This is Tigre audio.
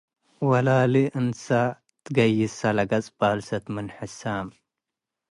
ወላሊ እንሳ ትገይሰ ለገጸ ባልሰት ምን ሕሳም